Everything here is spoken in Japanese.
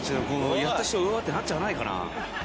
やった人うわー！ってなっちゃわないかな？